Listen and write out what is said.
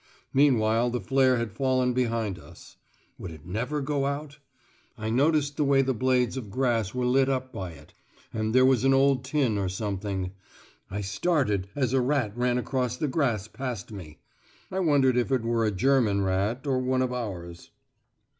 Meanwhile the flare had fallen behind us. Would it never go out? I noticed the way the blades of grass were lit up by it; and there was an old tin or something.... I started as a rat ran across the grass past me. I wondered if it were a German rat, or one of ours.